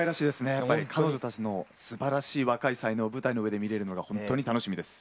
やっぱり彼女たちのすばらしい若い才能舞台の上で見れるのがほんとに楽しみです。